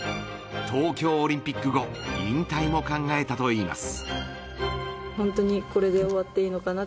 東京オリンピック後引退も考えたといいます。